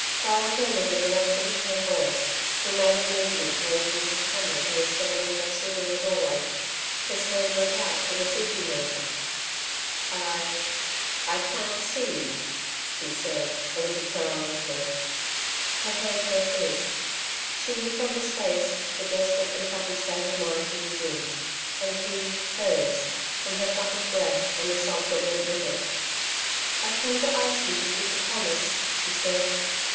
Farrel turned in the direction of her voice. He made a movement towards Mrs. Cameron, who was standing just within the doorway. His hand went out with a seeking motion. "I ... I can't see you," he said, a little querulously. Her hand met his. She knew from his face the desperate and troubled state of mind he was in, and he, hers, from her fluttered breath and the sob that went with it. "I've come to ask you to keep a promise," she said.